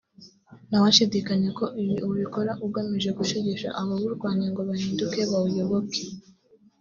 ntawashidikanya ko ibi ubikora ugamije gushegesha abawurwanya ngo bahinduke bawuyoboke